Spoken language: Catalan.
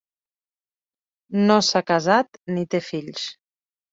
No s’ha casat, ni té fills.